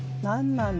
何だ？